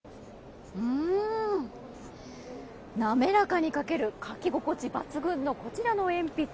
滑らかに書ける書き心地抜群のこちらの鉛筆。